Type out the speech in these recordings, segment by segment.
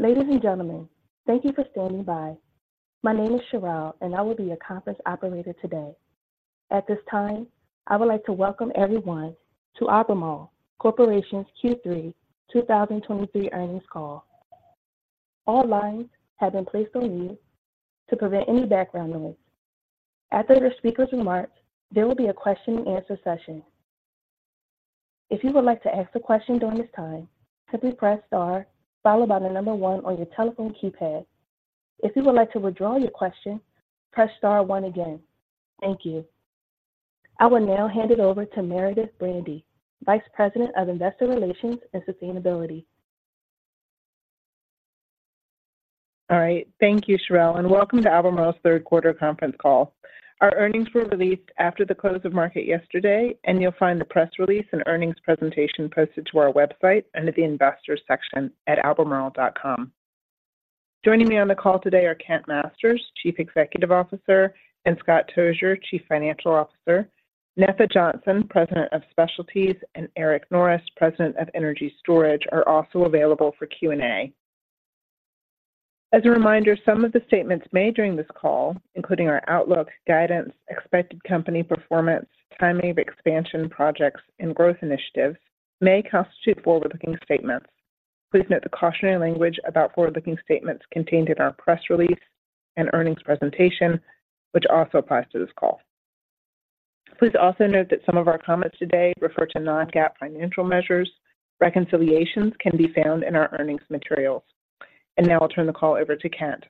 Ladies and gentlemen, thank you for standing by. My name is Cherelle, and I will be your conference operator today. At this time, I would like to welcome everyone to Albemarle Corporation's Q3 2023 earnings call. All lines have been placed on mute to prevent any background noise. After the speakers' remarks, there will be a question-and-answer session. If you would like to ask a question during this time, simply press star followed by the number one on your telephone keypad. If you would like to withdraw your question, press star one again. Thank you. I will now hand it over to Meredith Bandy, Vice President of Investor Relations and Sustainability. All right. Thank you, Cherelle, and welcome to Albemarle's third quarter conference call. Our earnings were released after the close of market yesterday, and you'll find the press release and earnings presentation posted to our website under the Investors section at albemarle.com. Joining me on the call today are Kent Masters, Chief Executive Officer, and Scott Tozier, Chief Financial Officer. Netha Johnson, President of Specialties, and Eric Norris, President of Energy Storage, are also available for Q&A. As a reminder, some of the statements made during this call, including our outlook, guidance, expected company performance, timing of expansion projects, and growth initiatives, may constitute forward-looking statements. Please note the cautionary language about forward-looking statements contained in our press release and earnings presentation, which also applies to this call. Please also note that some of our comments today refer to non-GAAP financial measures. Reconciliations can be found in our earnings materials. Now I'll turn the call over to Kent.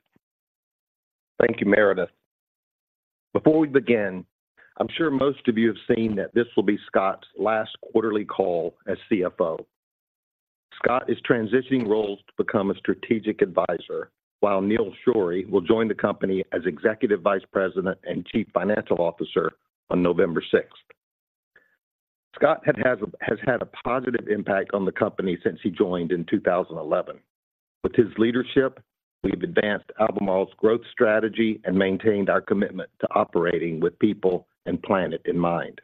Thank you, Meredith. Before we begin, I'm sure most of you have seen that this will be Scott's last quarterly call as CFO. Scott is transitioning roles to become a strategic advisor, while Neal Sheorey will join the company as Executive Vice President and Chief Financial Officer on November 6th. Scott has had a positive impact on the company since he joined in 2011. With his leadership, we've advanced Albemarle's growth strategy and maintained our commitment to operating with people and planet in mind.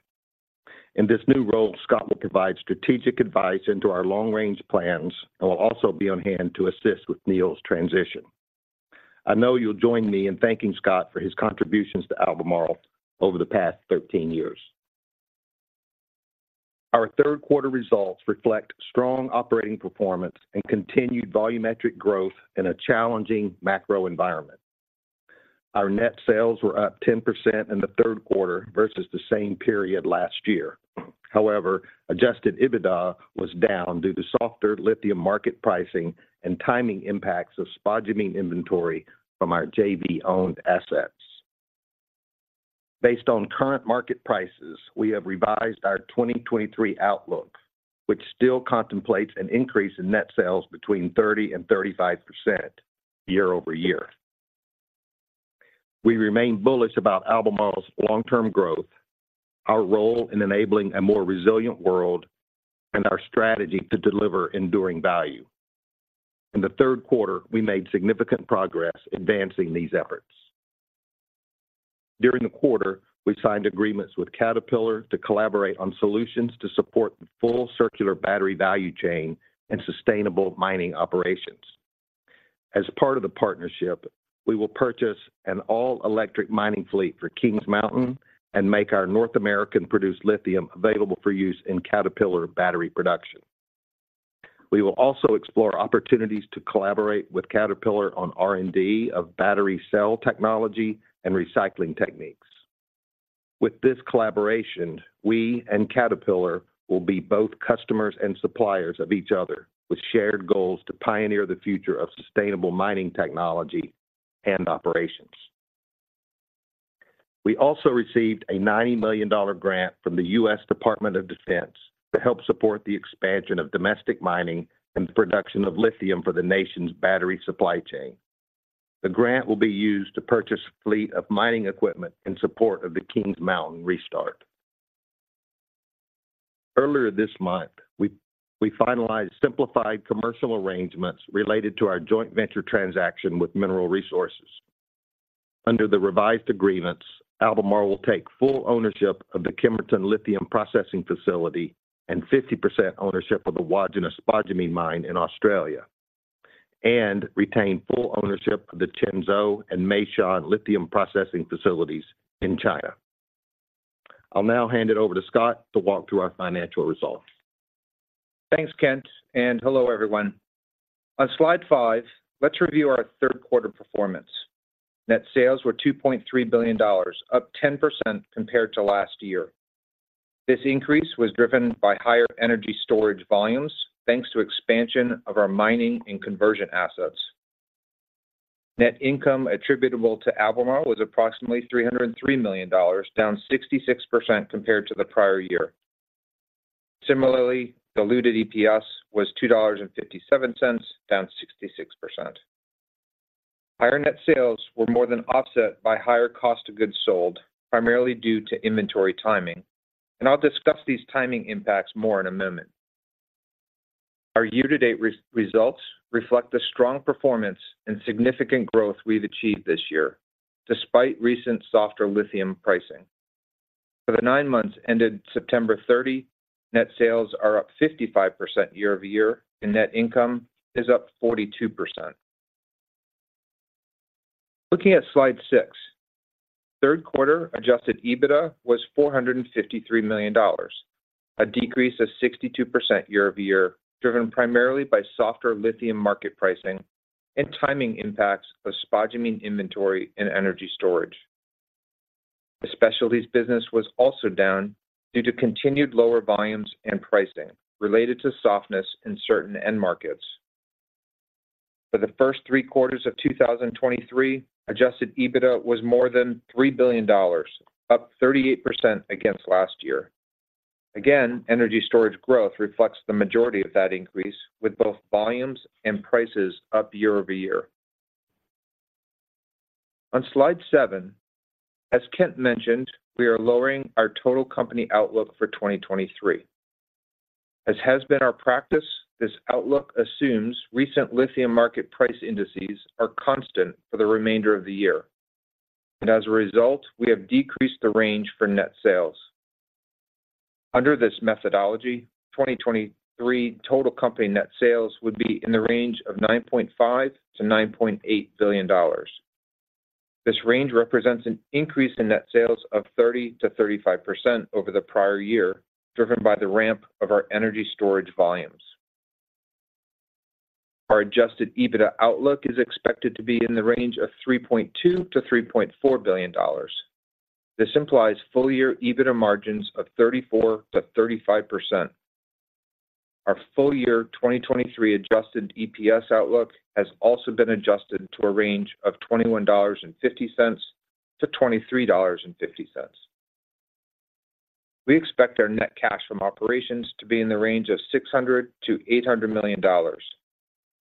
In this new role, Scott will provide strategic advice into our long-range plans and will also be on hand to assist with Neal's transition. I know you'll join me in thanking Scott for his contributions to Albemarle over the past 13 years. Our third quarter results reflect strong operating performance and continued volumetric growth in a challenging macro environment. Our net sales were up 10% in the third quarter versus the same period last year. However, adjusted EBITDA was down due to softer lithium market pricing and timing impacts of spodumene inventory from our JV-owned assets. Based on current market prices, we have revised our 2023 outlook, which still contemplates an increase in net sales between 30% and 35% year-over-year. We remain bullish about Albemarle's long-term growth, our role in enabling a more resilient world, and our strategy to deliver enduring value. In the third quarter, we made significant progress advancing these efforts. During the quarter, we signed agreements with Caterpillar to collaborate on solutions to support the full circular battery value chain and sustainable mining operations. As part of the partnership, we will purchase an all-electric mining fleet for Kings Mountain and make our North American-produced lithium available for use in Caterpillar battery production. We will also explore opportunities to collaborate with Caterpillar on R&D of battery cell technology and recycling techniques. With this collaboration, we and Caterpillar will be both customers and suppliers of each other, with shared goals to pioneer the future of sustainable mining technology and operations. We also received a $90 million grant from the U.S. Department of Defense to help support the expansion of domestic mining and the production of lithium for the nation's battery supply chain. The grant will be used to purchase a fleet of mining equipment in support of the Kings Mountain restart. Earlier this month, we finalized simplified commercial arrangements related to our joint venture transaction with Mineral Resources. Under the revised agreements, Albemarle will take full ownership of the Kemerton lithium processing facility and 50% ownership of the Wodgina spodumene mine in Australia, and retain full ownership of the Qinzhou and Meishan lithium processing facilities in China. I'll now hand it over to Scott to walk through our financial results. Thanks, Kent, and hello, everyone. On slide five, let's review our third quarter performance. Net sales were $2.3 billion, up 10% compared to last year. This increase was driven by higher energy storage volumes, thanks to expansion of our mining and conversion assets. Net income attributable to Albemarle was approximately $303 million, down 66% compared to the prior year. Similarly, diluted EPS was $2.57, down 66%. Higher net sales were more than offset by higher cost of goods sold, primarily due to inventory timing, and I'll discuss these timing impacts more in a moment. Our year-to-date results reflect the strong performance and significant growth we've achieved this year, despite recent softer lithium pricing. For the nine months ended September 30, net sales are up 55% year over year, and net income is up 42%. Looking at slide 6, third quarter adjusted EBITDA was $453 million, a decrease of 62% year-over-year, driven primarily by softer lithium market pricing and timing impacts of spodumene inventory and energy storage. The specialties business was also down due to continued lower volumes and pricing related to softness in certain end markets. For the first three quarters of 2023, adjusted EBITDA was more than $3 billion, up 38% against last year. Again, energy storage growth reflects the majority of that increase, with both volumes and prices up year-over-year. On slide 7, as Kent mentioned, we are lowering our total company outlook for 2023. As has been our practice, this outlook assumes recent lithium market price indices are constant for the remainder of the year, and as a result, we have decreased the range for net sales. Under this methodology, 2023 total company net sales would be in the range of $9.5 billion-$9.8 billion. This range represents an increase in net sales of 30%-35% over the prior year, driven by the ramp of our energy storage volumes. Our adjusted EBITDA outlook is expected to be in the range of $3.2 billion-$3.4 billion. This implies full year EBITDA margins of 34%-35%. Our full year 2023 adjusted EPS outlook has also been adjusted to a range of $21.50-$23.50. We expect our net cash from operations to be in the range of $600 million-$800 million.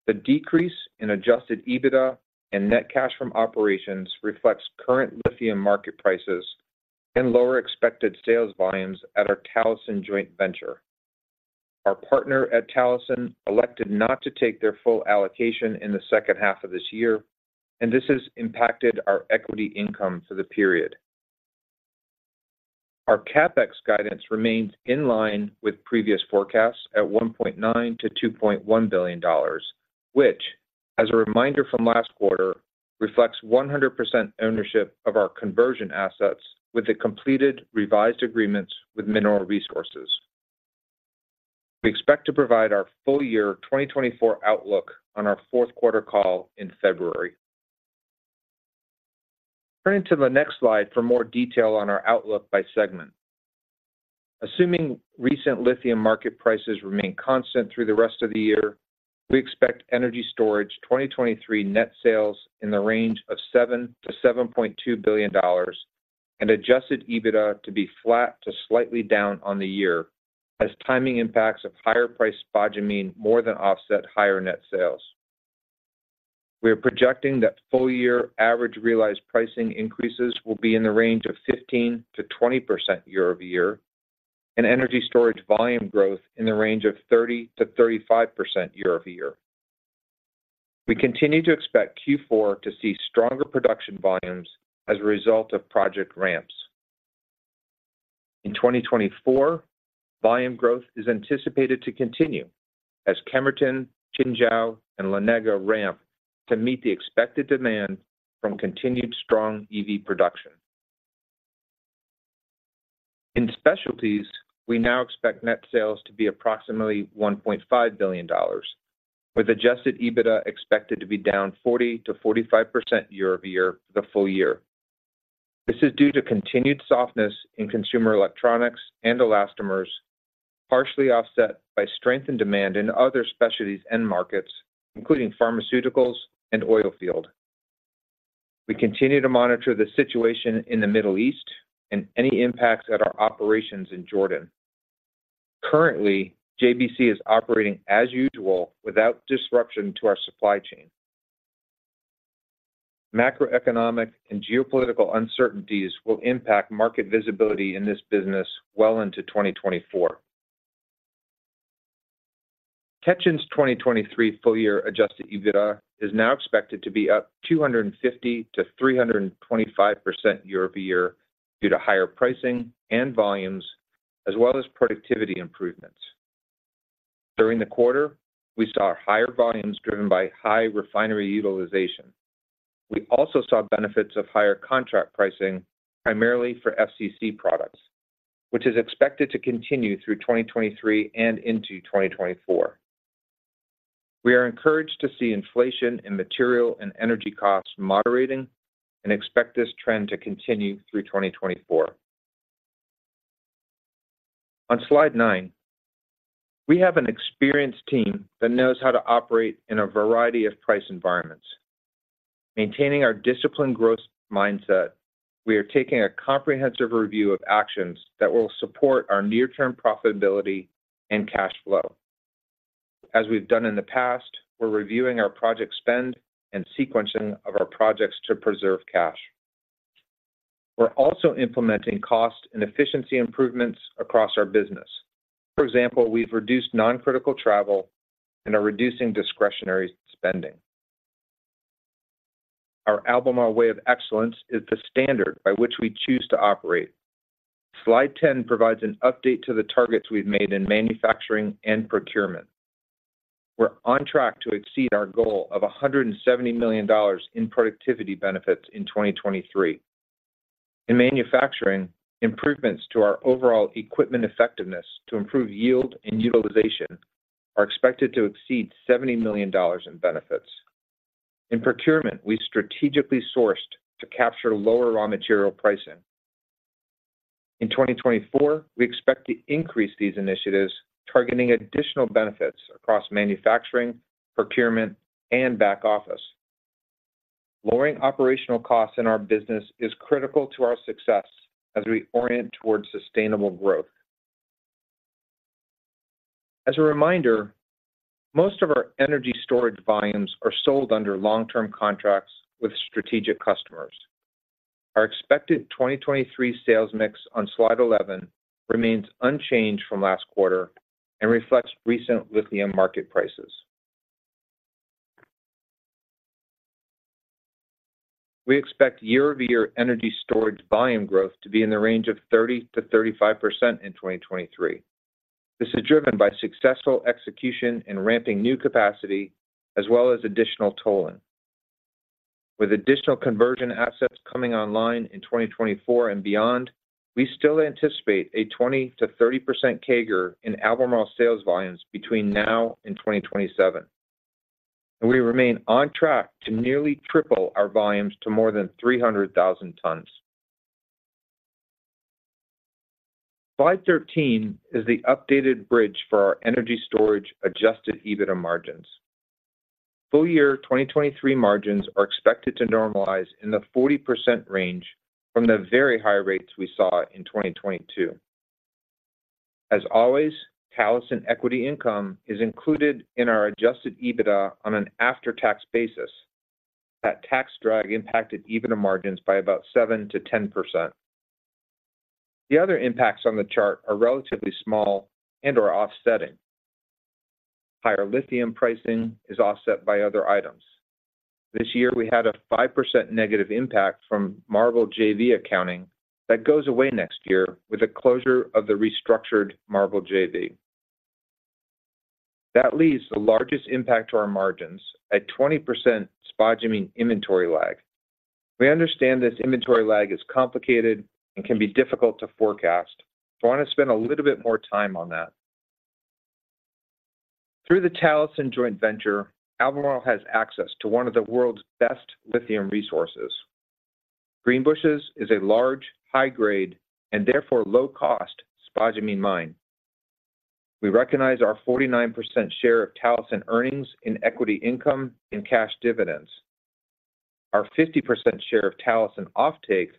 The decrease in adjusted EBITDA and net cash from operations reflects current lithium market prices and lower expected sales volumes at our Talison joint venture. Our partner at Talison elected not to take their full allocation in the second half of this year, and this has impacted our equity income for the period. Our CapEx guidance remains in line with previous forecasts at $1.9 billion-$2.1 billion, which, as a reminder from last quarter, reflects 100% ownership of our conversion assets with the completed revised agreements with Mineral Resources. We expect to provide our full year 2024 outlook on our fourth quarter call in February. Turning to the next slide for more detail on our outlook by segment. Assuming recent lithium market prices remain constant through the rest of the year, we expect Energy Storage 2023 net sales in the range of $7 billion-$7.2 billion and adjusted EBITDA to be flat to slightly down on the year, as timing impacts of higher priced spodumene more than offset higher net sales. We are projecting that full year average realized pricing increases will be in the range of 15%-20% year-over-year, and Energy Storage volume growth in the range of 30%-35% year-over-year. We continue to expect Q4 to see stronger production volumes as a result of project ramps. In 2024, volume growth is anticipated to continue as Kemerton, Qinzhou, and La Negra ramp to meet the expected demand from continued strong EV production. In Specialties, we now expect net sales to be approximately $1.5 billion, with adjusted EBITDA expected to be down 40%-45% year over year for the full year. This is due to continued softness in consumer electronics and elastomers, partially offset by strength and demand in other specialties end markets, including pharmaceuticals and oil field. We continue to monitor the situation in the Middle East and any impacts at our operations in Jordan. Currently, JBC is operating as usual without disruption to our supply chain. Macroeconomic and geopolitical uncertainties will impact market visibility in this business well into 2024. Ketjen's 2023 full year adjusted EBITDA is now expected to be up 250%-325% year-over-year, due to higher pricing and volumes, as well as productivity improvements. During the quarter, we saw higher volumes driven by high refinery utilization. We also saw benefits of higher contract pricing, primarily for FCC products, which is expected to continue through 2023 and into 2024. We are encouraged to see inflation in material and energy costs moderating and expect this trend to continue through 2024. On slide 9, we have an experienced team that knows how to operate in a variety of price environments. Maintaining our disciplined growth mindset, we are taking a comprehensive review of actions that will support our near-term profitability and cash flow. As we've done in the past, we're reviewing our project spend and sequencing of our projects to preserve cash. We're also implementing cost and efficiency improvements across our business. For example, we've reduced non-critical travel and are reducing discretionary spending.... Our Albemarle Way of Excellence is the standard by which we choose to operate. Slide 10 provides an update to the targets we've made in manufacturing and procurement. We're on track to exceed our goal of $170 million in productivity benefits in 2023. In manufacturing, improvements to our overall equipment effectiveness to improve yield and utilization are expected to exceed $70 million in benefits. In procurement, we strategically sourced to capture lower raw material pricing. In 2024, we expect to increase these initiatives, targeting additional benefits across manufacturing, procurement, and back office. Lowering operational costs in our business is critical to our success as we orient towards sustainable growth. As a reminder, most of our energy storage volumes are sold under long-term contracts with strategic customers. Our expected 2023 sales mix on Slide 11 remains unchanged from last quarter and reflects recent lithium market prices. We expect year-over-year energy storage volume growth to be in the range of 30%-35% in 2023. This is driven by successful execution in ramping new capacity, as well as additional tolling. With additional conversion assets coming online in 2024 and beyond, we still anticipate a 20%-30% CAGR in Albemarle sales volumes between now and 2027, and we remain on track to nearly triple our volumes to more than 300,000 tons. Slide 13 is the updated bridge for our energy storage adjusted EBITDA margins. Full year 2023 margins are expected to normalize in the 40% range from the very high rates we saw in 2022. As always, Talison equity income is included in our adjusted EBITDA on an after-tax basis. That tax drag impacted EBITDA margins by about 7%-10%. The other impacts on the chart are relatively small and are offsetting. Higher lithium pricing is offset by other items. This year, we had a 5% negative impact from MARBL JV accounting that goes away next year with the closure of the restructured MARBL JV. That leaves the largest impact to our margins at 20% spodumene inventory lag. We understand this inventory lag is complicated and can be difficult to forecast, so I want to spend a little bit more time on that. Through the Talison joint venture, Albemarle has access to one of the world's best lithium resources. Greenbushes is a large, high grade, and therefore low-cost spodumene mine. We recognize our 49% share of Talison earnings in equity income and cash dividends. Our 50% share of Talison offtake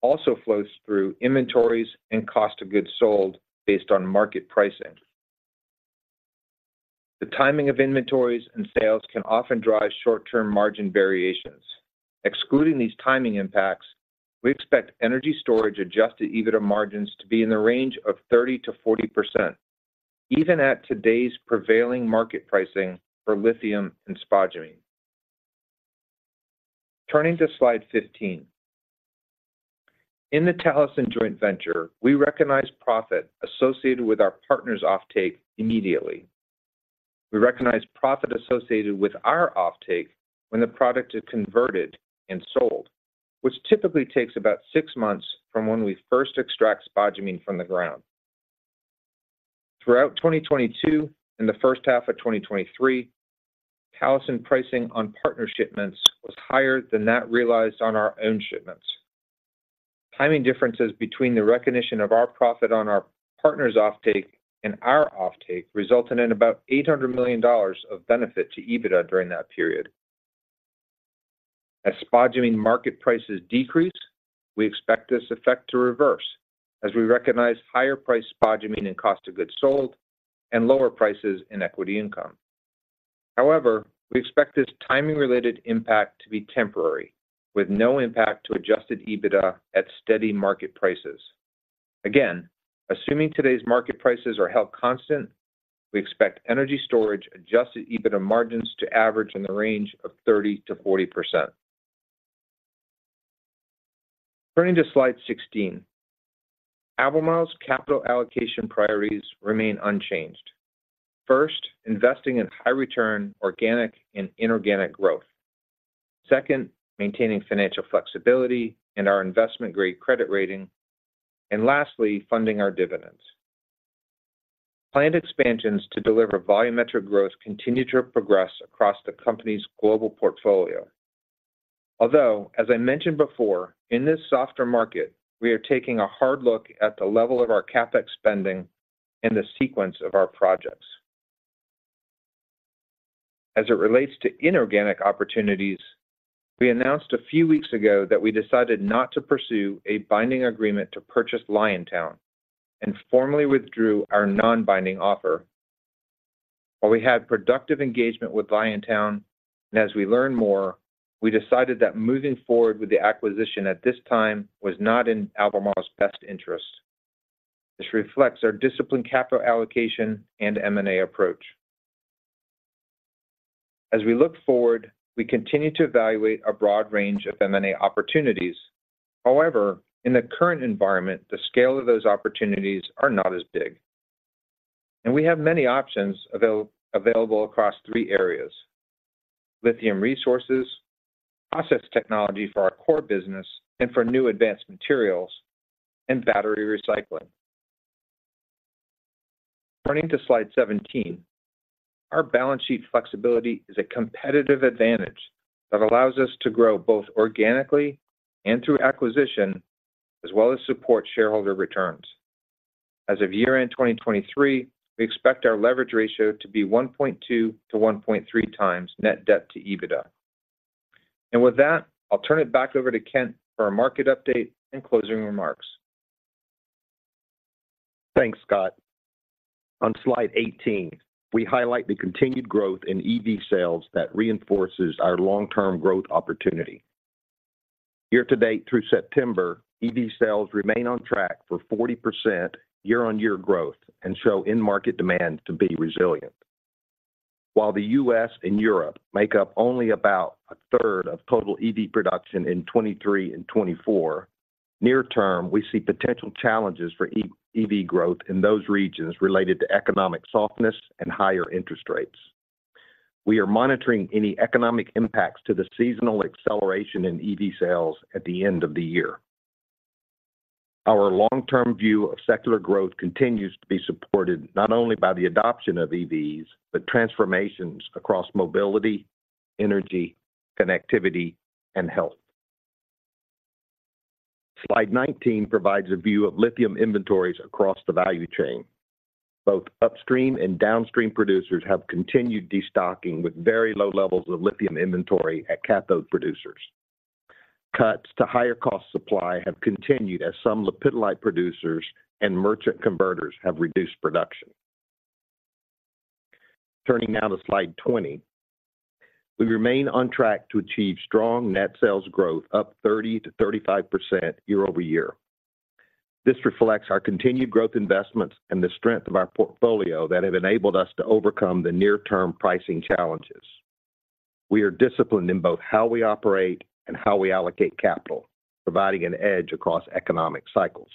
also flows through inventories and cost of goods sold based on market pricing. The timing of inventories and sales can often drive short-term margin variations. Excluding these timing impacts, we expect energy storage adjusted EBITDA margins to be in the range of 30%-40%, even at today's prevailing market pricing for lithium and spodumene. Turning to slide 15. In the Talison joint venture, we recognize profit associated with our partner's offtake immediately. We recognize profit associated with our offtake when the product is converted and sold, which typically takes about six months from when we first extract spodumene from the ground. Throughout 2022 and the first half of 2023, Talison pricing on partner shipments was higher than that realized on our own shipments. Timing differences between the recognition of our profit on our partner's offtake and our offtake resulted in about $800 million of benefit to EBITDA during that period. As spodumene market prices decrease, we expect this effect to reverse as we recognize higher price spodumene and cost of goods sold and lower prices in equity income. However, we expect this timing-related impact to be temporary, with no impact to adjusted EBITDA at steady market prices. Again, assuming today's market prices are held constant, we expect energy storage adjusted EBITDA margins to average in the range of 30%-40%. Turning to slide 16, Albemarle's capital allocation priorities remain unchanged. First, investing in high-return, organic and inorganic growth. Second, maintaining financial flexibility and our investment-grade credit rating. And lastly, funding our dividends. Planned expansions to deliver volumetric growth continue to progress across the company's global portfolio. Although, as I mentioned before, in this softer market, we are taking a hard look at the level of our CapEx spending and the sequence of our projects. As it relates to inorganic opportunities, we announced a few weeks ago that we decided not to pursue a binding agreement to purchase Liontown and formally withdrew our non-binding offer. While we had productive engagement with Liontown, and as we learn more, we decided that moving forward with the acquisition at this time was not in Albemarle's best interest. This reflects our disciplined capital allocation and M&A approach. As we look forward, we continue to evaluate a broad range of M&A opportunities. However, in the current environment, the scale of those opportunities are not as big. We have many options available across three areas: lithium resources, process technology for our core business and for new advanced materials, and battery recycling. Turning to slide 17, our balance sheet flexibility is a competitive advantage that allows us to grow both organically and through acquisition, as well as support shareholder returns. As of year-end 2023, we expect our leverage ratio to be 1.2-1.3 times net debt to EBITDA. With that, I'll turn it back over to Kent for our market update and closing remarks. Thanks, Scott. On slide 18, we highlight the continued growth in EV sales that reinforces our long-term growth opportunity. Year-to-date through September, EV sales remain on track for 40% year-on-year growth and show end market demand to be resilient. While the U.S. and Europe make up only about a third of total EV production in 2023 and 2024, near term, we see potential challenges for EV growth in those regions related to economic softness and higher interest rates. We are monitoring any economic impacts to the seasonal acceleration in EV sales at the end of the year. Our long-term view of secular growth continues to be supported not only by the adoption of EVs, but transformations across mobility, energy, connectivity, and health. Slide 19 provides a view of lithium inventories across the value chain. Both upstream and downstream producers have continued destocking, with very low levels of lithium inventory at cathode producers. Cuts to higher cost supply have continued as some lepidolite producers and merchant converters have reduced production. Turning now to slide 20, we remain on track to achieve strong net sales growth, up 30%-35% year-over-year. This reflects our continued growth investments and the strength of our portfolio that have enabled us to overcome the near-term pricing challenges. We are disciplined in both how we operate and how we allocate capital, providing an edge across economic cycles.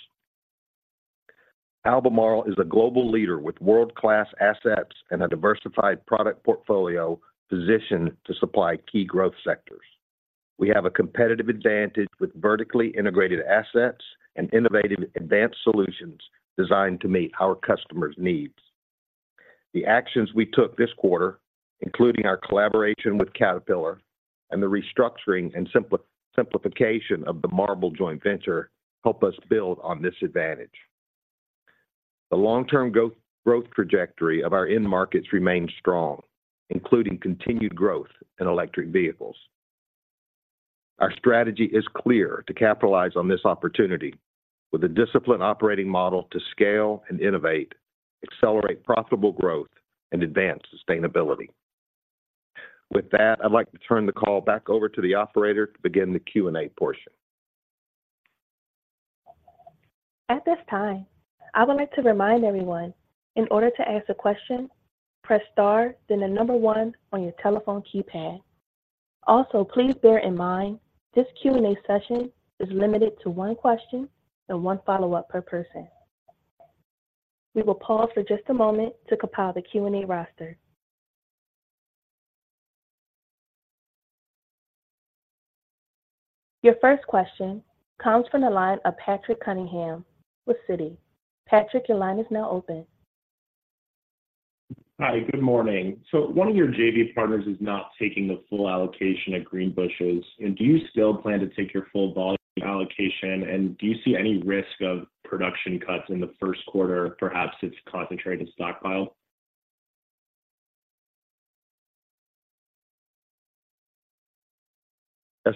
Albemarle is a global leader with world-class assets and a diversified product portfolio positioned to supply key growth sectors. We have a competitive advantage with vertically integrated assets and innovative advanced solutions designed to meet our customers' needs. The actions we took this quarter, including our collaboration with Caterpillar and the restructuring and simplification of the Mineral joint venture, help us build on this advantage. The long-term growth trajectory of our end markets remains strong, including continued growth in electric vehicles. Our strategy is clear to capitalize on this opportunity with a disciplined operating model to scale and innovate, accelerate profitable growth, and advance sustainability. With that, I'd like to turn the call back over to the operator to begin the Q&A portion. At this time, I would like to remind everyone, in order to ask a question, press star, then 1 on your telephone keypad. Also, please bear in mind this Q&A session is limited to one question and one follow-up per person. We will pause for just a moment to compile the Q&A roster. Your first question comes from the line of Patrick Cunningham with Citi. Patrick, your line is now open. Hi, good morning. One of your JV partners is not taking the full allocation at Greenbushes. Do you still plan to take your full volume allocation? Do you see any risk of production cuts in the first quarter, perhaps it's concentrated stockpile?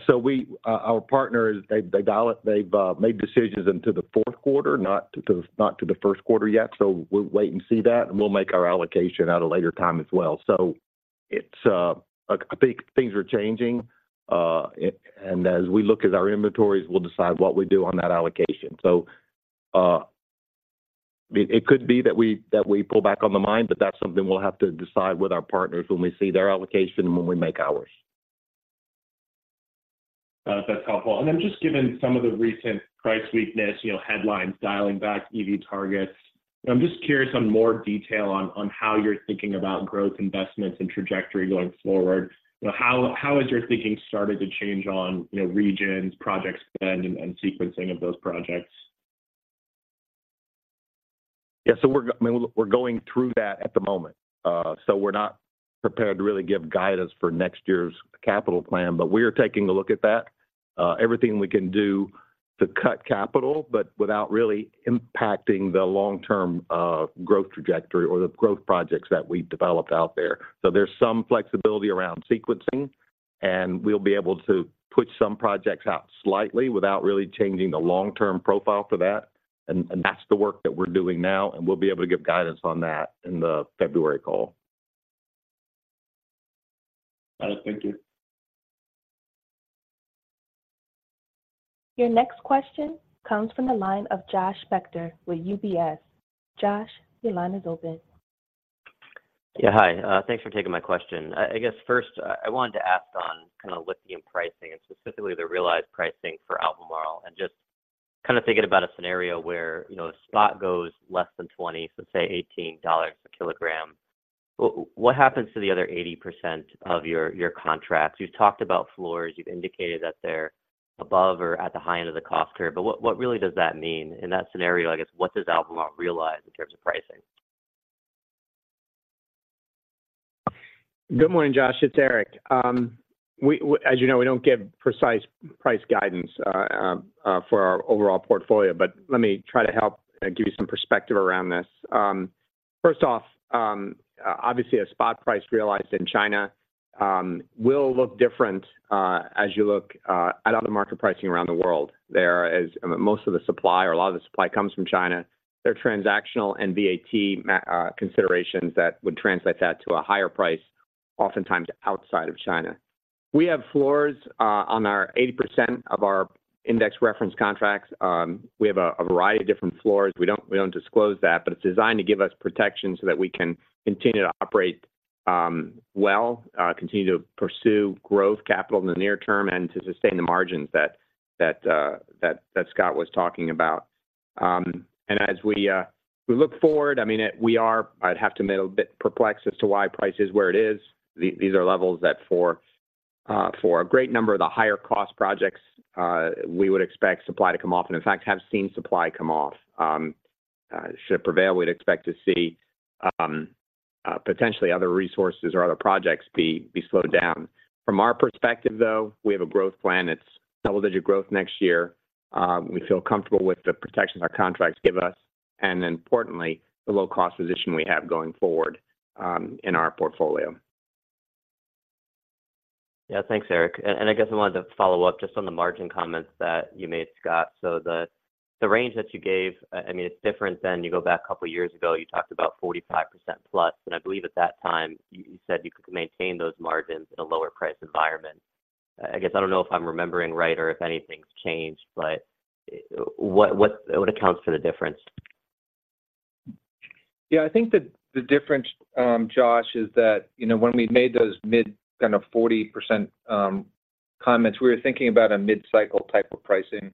So we, our partner, they've made decisions into the fourth quarter, not to the first quarter yet. So we'll wait and see that, and we'll make our allocation at a later time as well. So it's, I think things are changing, and as we look at our inventories, we'll decide what we do on that allocation. So, it could be that we pull back on the mine, but that's something we'll have to decide with our partners when we see their allocation and when we make ours. That's helpful. And then just given some of the recent price weakness, you know, headlines dialing back EV targets, I'm just curious on more detail on, on how you're thinking about growth investments and trajectory going forward. You know, how, how has your thinking started to change on, you know, regions, project spend, and, and sequencing of those projects? Yeah. So we're—I mean, we're going through that at the moment. So we're not prepared to really give guidance for next year's capital plan, but we are taking a look at that. Everything we can do to cut capital, but without really impacting the long-term growth trajectory or the growth projects that we've developed out there. So there's some flexibility around sequencing, and we'll be able to push some projects out slightly without really changing the long-term profile for that. And that's the work that we're doing now, and we'll be able to give guidance on that in the February call. Got it. Thank you.... Your next question comes from the line of Josh Spector with UBS. Josh, your line is open. Yeah, hi. Thanks for taking my question. I guess first, I wanted to ask on kind of lithium pricing, and specifically the realized pricing for Albemarle, and just kind of thinking about a scenario where, you know, spot goes less than 20, so say $18 a kilogram. What happens to the other 80% of your, your contracts? You've talked about floors, you've indicated that they're above or at the high end of the cost curve, but what, what really does that mean? In that scenario, I guess, what does Albemarle realize in terms of pricing? Good morning, Josh. It's Eric. We, as you know, we don't give precise price guidance for our overall portfolio, but let me try to help give you some perspective around this. First off, obviously, a spot price realized in China will look different as you look at other market pricing around the world. There is. Most of the supply or a lot of the supply comes from China. There are transactional and VAT considerations that would translate that to a higher price, oftentimes outside of China. We have floors on our 80% of our index reference contracts. We have a variety of different floors. We don't disclose that, but it's designed to give us protection so that we can continue to operate, well, continue to pursue growth capital in the near term, and to sustain the margins that Scott was talking about. And as we look forward, I mean, we are. I'd have to admit a bit perplexed as to why price is where it is. These are levels that for a great number of the higher cost projects, we would expect supply to come off, and in fact, have seen supply come off. Should it prevail, we'd expect to see potentially other resources or other projects be slowed down. From our perspective, though, we have a growth plan. It's double-digit growth next year. We feel comfortable with the protection our contracts give us, and importantly, the low-cost position we have going forward, in our portfolio. Yeah. Thanks, Eric. And I guess I wanted to follow up just on the margin comments that you made, Scott. So the range that you gave, I mean, it's different than you go back a couple of years ago, you talked about 45%+, and I believe at that time, you said you could maintain those margins in a lower price environment. I guess I don't know if I'm remembering right or if anything's changed, but, what accounts for the difference? Yeah, I think the difference, Josh, is that, you know, when we made those mid kind of 40%, comments, we were thinking about a mid-cycle type of pricing.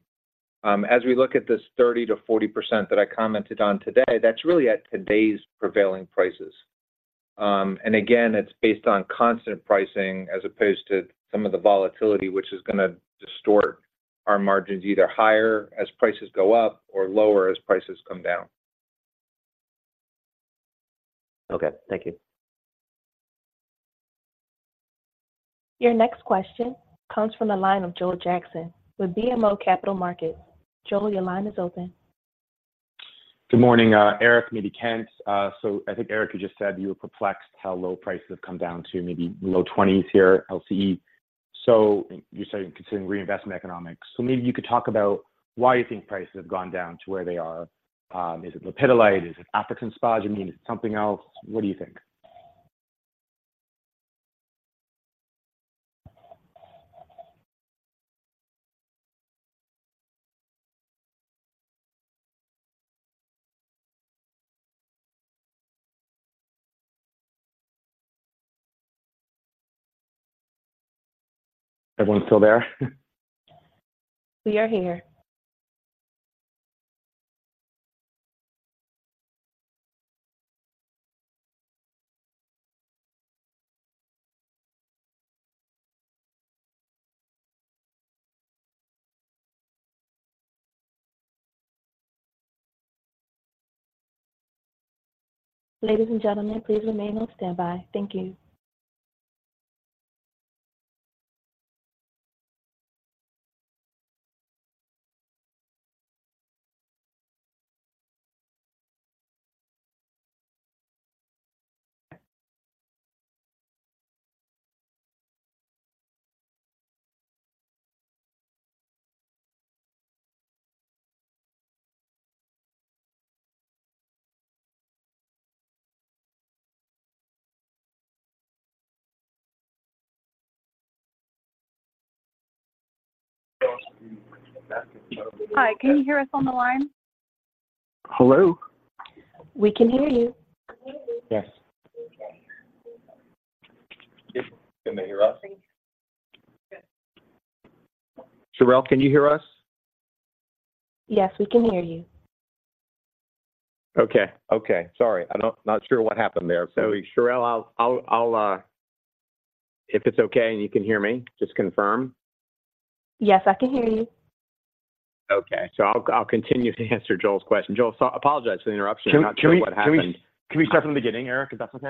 As we look at this 30%-40% that I commented on today, that's really at today's prevailing prices. And again, it's based on constant pricing as opposed to some of the volatility, which is gonna distort our margins, either higher as prices go up or lower as prices come down. Okay, thank you. Your next question comes from the line of Joel Jackson with BMO Capital Markets. Joel, your line is open. Good morning, Eric, maybe Kent. So I think Eric, you just said you were perplexed how low prices have come down to maybe low $20s here at LCE. So you're saying considering reinvestment economics. So maybe you could talk about why you think prices have gone down to where they are. Is it lepidolite? Is it African Spodumene? Is it something else? What do you think? Everyone still there? We are here. Ladies and gentlemen, please remain on standby. Thank you. Hi, can you hear us on the line? Hello? We can hear you. We hear you. Yes. Okay. Can you hear us? Cherelle, can you hear us? Yes, we can hear you. Okay. Okay, sorry. I'm not sure what happened there. So Cherelle, I'll... If it's okay and you can hear me, just confirm. Yes, I can hear you. Okay. So I'll continue to answer Joel's question. Joel, so I apologize for the interruption- Can we? Not sure what happened. Can we start from the beginning, Eric, if that's okay?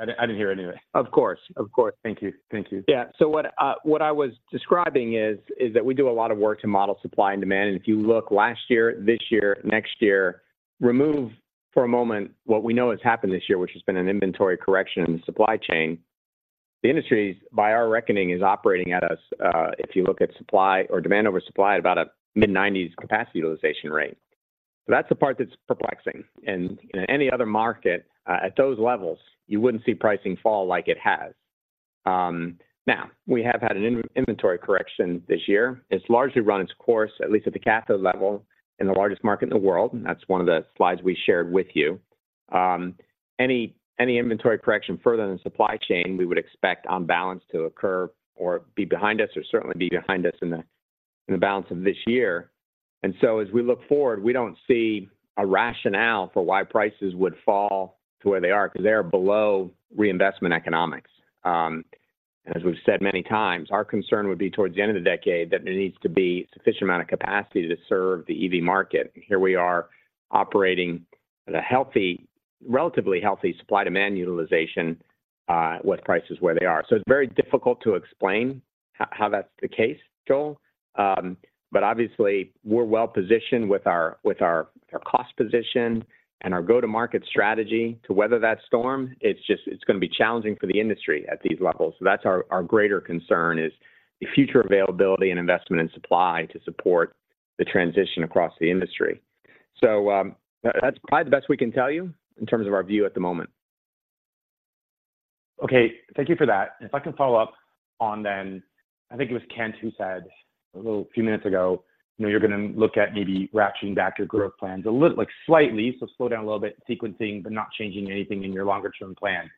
I didn't hear it anyway. Of course. Of course. Thank you. Thank you. Yeah. So what, what I was describing is, is that we do a lot of work to model supply and demand. And if you look last year, this year, next year, remove for a moment what we know has happened this year, which has been an inventory correction in the supply chain. The industry, by our reckoning, is operating at a, if you look at supply or demand over supply, at about a mid-nineties capacity utilization rate. That's the part that's perplexing. And in any other market, at those levels, you wouldn't see pricing fall like it has. Now, we have had an in-inventory correction this year. It's largely run its course, at least at the cathode level, in the largest market in the world, and that's one of the slides we shared with you. Any, any inventory correction further in the supply chain, we would expect on balance to occur or be behind us, or certainly be behind us in the, in the balance of this year. And so as we look forward, we don't see a rationale for why prices would fall to where they are, 'cause they're below reinvestment economics. As we've said many times, our concern would be towards the end of the decade, that there needs to be sufficient amount of capacity to serve the EV market. Here we are operating at a healthy- relatively healthy supply-demand utilization, with prices where they are. So it's very difficult to explain how that's the case, Joel. But obviously, we're well-positioned with our, with our, our cost position and our go-to-market strategy to weather that storm. It's just, it's gonna be challenging for the industry at these levels. That's our, our greater concern, is the future availability and investment in supply to support the transition across the industry. That's probably the best we can tell you in terms of our view at the moment. Okay, thank you for that. If I can follow up on that, I think it was Kent who said a few minutes ago, you know, you're gonna look at maybe ratcheting back your growth plans like, slightly. So slow down a little bit in sequencing, but not changing anything in your longer-term plan.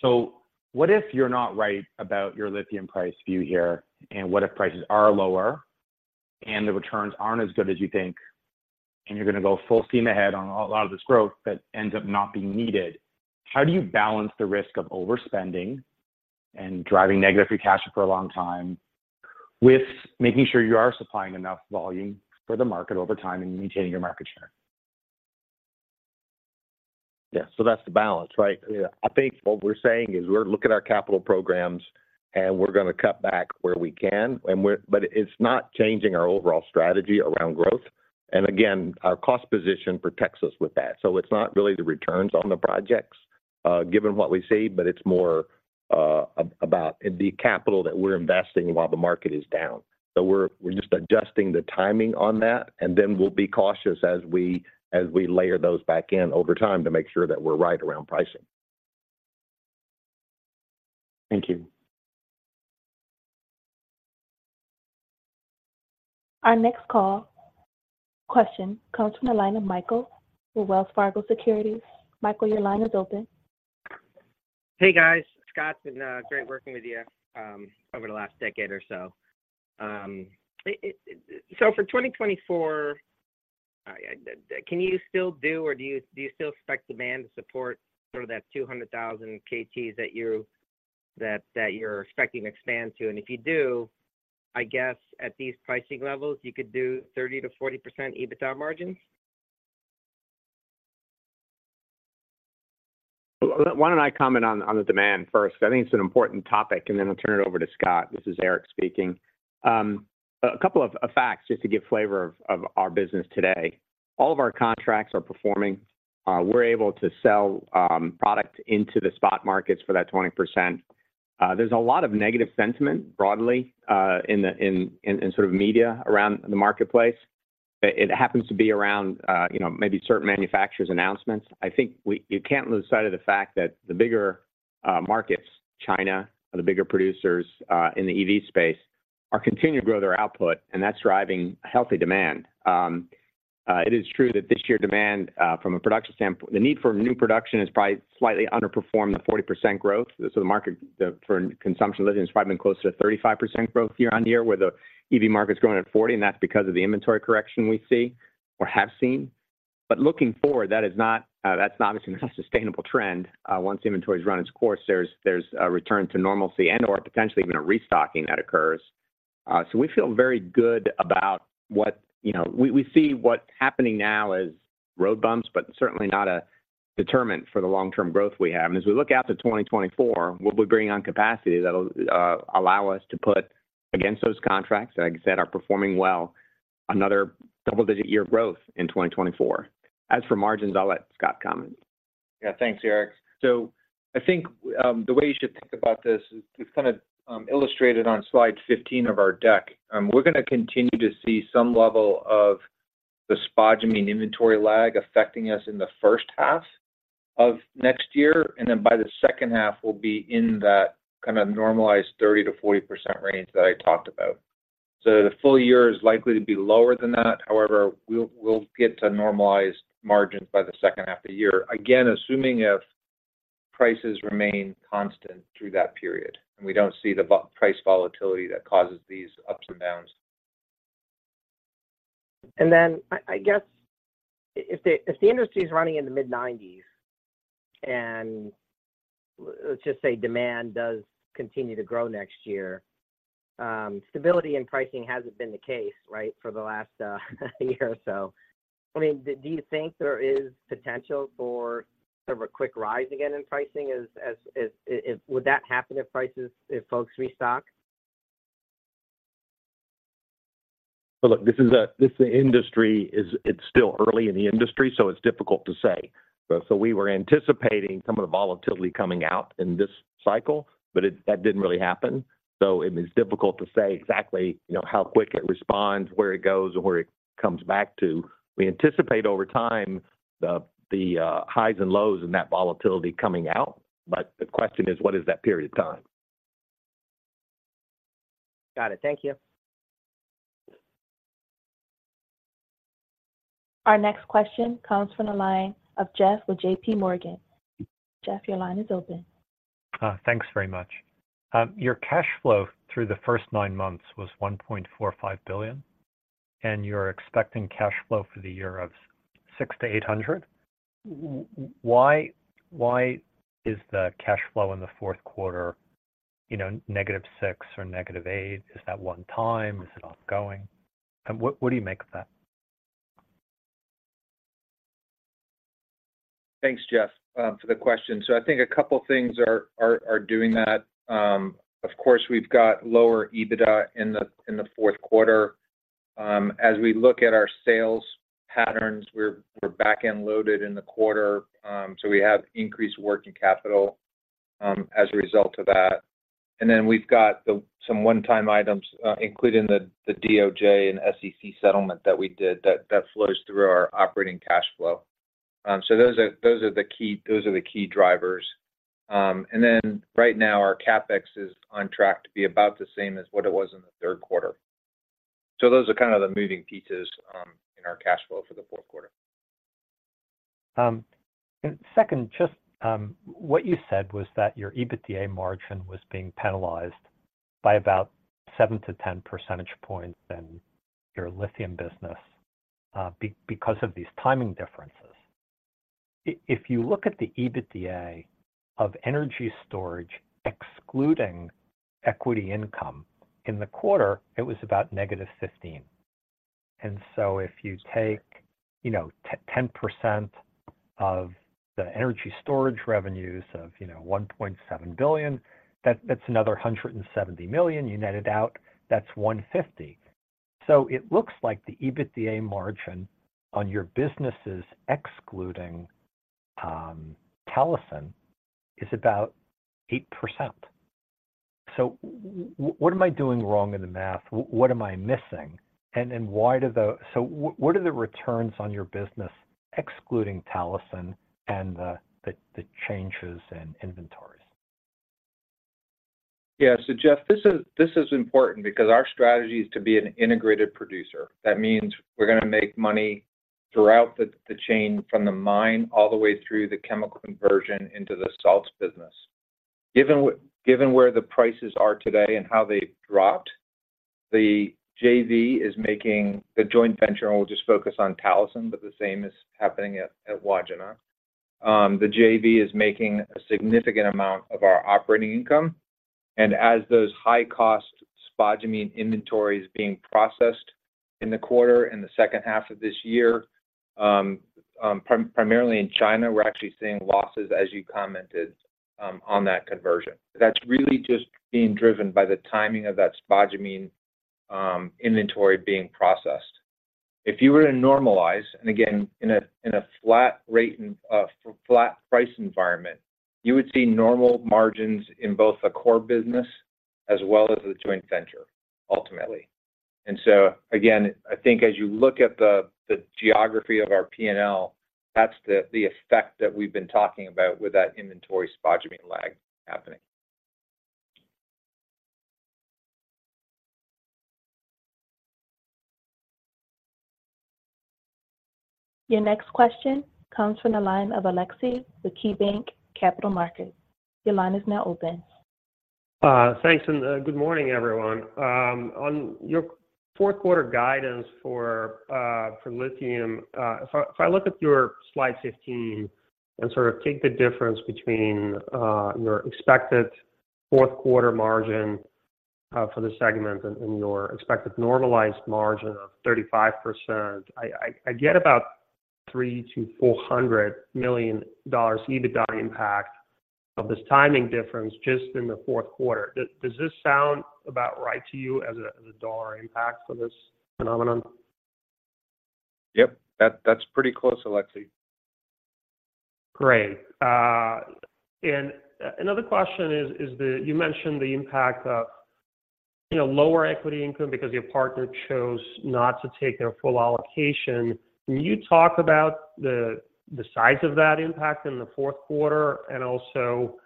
So what if you're not right about your lithium price view here, and what if prices are lower, and the returns aren't as good as you think, and you're gonna go full steam ahead on a lot of this growth that ends up not being needed? How do you balance the risk of overspending and driving negative free cash for a long time, with making sure you are supplying enough volume for the market over time and maintaining your market share? Yeah, so that's the balance, right? Yeah. I think what we're saying is, we're looking at our capital programs, and we're gonna cut back where we can, but it's not changing our overall strategy around growth. And again, our cost position protects us with that. So it's not really the returns on the projects, given what we see, but it's more about the capital that we're investing while the market is down. So we're just adjusting the timing on that, and then we'll be cautious as we layer those back in over time to make sure that we're right around pricing. Thank you. Our next call, question comes from the line of Michael with Wells Fargo Securities. Michael, your line is open. Hey, guys. Scott, it's been great working with you over the last decade or so. So for 2024, can you still do or do you still expect demand to support sort of that 200,000 KGs that you're expecting to expand to? And if you do, I guess at these pricing levels, you could do 30%-40% EBITDA margins? Why don't I comment on the demand first? I think it's an important topic, and then I'll turn it over to Scott. This is Eric speaking. A couple of facts just to give flavor of our business today. All of our contracts are performing. We're able to sell product into the spot markets for that 20%. There's a lot of negative sentiment broadly in the sort of media around the marketplace. It happens to be around, you know, maybe certain manufacturers' announcements. I think you can't lose sight of the fact that the bigger markets, China, or the bigger producers in the EV space, are continuing to grow their output, and that's driving healthy demand. It is true that this year, demand from a production standpoint—the need for new production is probably slightly underperformed, the 40% growth. So the market for consumption of lithium is probably been closer to a 35% growth year-on-year, where the EV market's growing at 40%, and that's because of the inventory correction we see or have seen. But looking forward, that is not... that's obviously not a sustainable trend. Once inventory has run its course, there's a return to normalcy and/or potentially even a restocking that occurs. So we feel very good about what—You know, we see what's happening now as road bumps, but certainly not a determinant for the long-term growth we have. As we look out to 2024, we'll be bringing on capacity that'll allow us to put against those contracts, like I said, are performing well, another double-digit year growth in 2024. As for margins, I'll let Scott comment. Yeah. Thanks, Eric. So I think the way you should think about this is, we've kind of illustrated on slide 15 of our deck. We're gonna continue to see some level of the spodumene inventory lag affecting us in the first half of next year, and then by the second half, we'll be in that kind of normalized 30%-40% range that I talked about. So the full year is likely to be lower than that. However, we'll get to normalized margins by the second half of the year. Again, assuming if prices remain constant through that period, and we don't see the price volatility that causes these ups and downs. And then, I guess, if the industry is running in the mid-90s, and let's just say demand does continue to grow next year, stability in pricing hasn't been the case, right, for the last year or so. I mean, do you think there is potential for sort of a quick rise again in pricing as— Would that happen if prices, if folks restock?... So look, this industry is, it's still early in the industry, so it's difficult to say. But so we were anticipating some of the volatility coming out in this cycle, but it, that didn't really happen. So it is difficult to say exactly, you know, how quick it responds, where it goes, or where it comes back to. We anticipate over time, the highs and lows and that volatility coming out, but the question is, what is that period of time? Got it. Thank you. Our next question comes from the line of Jeff with J.P. Morgan. Jeff, your line is open. Thanks very much. Your cash flow through the first nine months was $1.45 billion, and you're expecting cash flow for the year of $600 million-$800 million. Why, why is the cash flow in the fourth quarter, you know, negative $600 million or negative $800 million? Is that one time? Is it ongoing? And what, what do you make of that? Thanks, Jeff, for the question. So I think a couple things are doing that. Of course, we've got lower EBITDA in the fourth quarter. As we look at our sales patterns, we're back-end loaded in the quarter, so we have increased working capital as a result of that. And then we've got some one-time items, including the DOJ and SEC settlement that we did, that flows through our operating cash flow. So those are the key drivers. And then right now, our CapEx is on track to be about the same as what it was in the third quarter. So those are kind of the moving pieces in our cash flow for the fourth quarter. What you said was that your EBITDA margin was being penalized by about 7-10 percentage points in your lithium business because of these timing differences. If you look at the EBITDA of energy storage, excluding equity income, in the quarter, it was about negative 15. If you take, you know, 10% of the energy storage revenues of, you know, $1.7 billion, that's another $170 million. You net it out, that's $150 million. It looks like the EBITDA margin on your businesses, excluding Talison, is about 8%. What am I doing wrong in the math? What am I missing? Why do the-- what are the returns on your business, excluding Talison and the changes in inventories? Yeah. So Jeff, this is important because our strategy is to be an integrated producer. That means we're gonna make money throughout the chain, from the mine, all the way through the chemical conversion into the salts business. Given where the prices are today and how they've dropped, the JV is making... The joint venture, and we'll just focus on Talison, but the same is happening at Wodgina. The JV is making a significant amount of our operating income, and as those high-cost spodumene inventory is being processed in the quarter, in the second half of this year, primarily in China, we're actually seeing losses, as you commented, on that conversion. That's really just being driven by the timing of that spodumene inventory being processed. If you were to normalize, and again, in a flat price environment, you would see normal margins in both the core business as well as the joint venture, ultimately. And so again, I think as you look at the geography of our P&L, that's the effect that we've been talking about with that inventory spodumene lag happening. Your next question comes from the line of Aleksey with KeyBank Capital Markets. Your line is now open. Thanks, and good morning, everyone. On your fourth quarter guidance for lithium, if I look at your slide 15 and sort of take the difference between your expected fourth quarter margin for the segment and your expected normalized margin of 35%, I get about $300 million-$400 million EBITDA impact of this timing difference just in the fourth quarter. Does this sound about right to you as a dollar impact for this phenomenon? Yep, that, that's pretty close, Aleksey. Great. And another question is that you mentioned the impact of, you know, lower equity income because your partner chose not to take their full allocation. Can you talk about the size of that impact in the fourth quarter? And also,